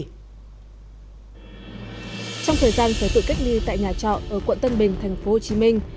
trong thời gian phải tự cách ly tại nhà trọ ở quận tân bình thành phố hồ chí minh